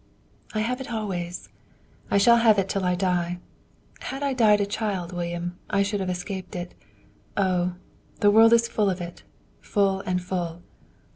"I have it always. I shall have it till I die. Had I died a child, William, I should have escaped it. Oh! The world is full of it! full and full."